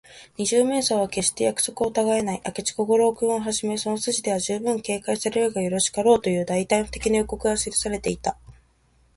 二十面相は、けっして約束をたがえない。明智小五郎君をはじめ、その筋では、じゅうぶん警戒されるがよろしかろう、という大胆不敵の予告が記されていた。